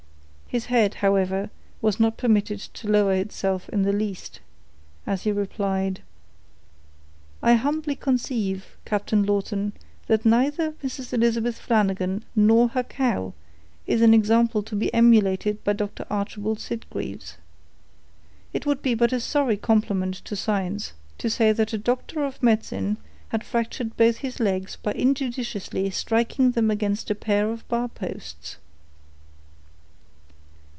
His head, however, was not permitted to lower itself in the least, as he replied,— "I humbly conceive, Captain Lawton, that neither Mrs. Elizabeth Flanagan, nor her cow, is an example to be emulated by Doctor Archibald Sitgreaves. It would be but a sorry compliment to science, to say that a doctor of medicine had fractured both his legs by injudiciously striking them against a pair of barposts."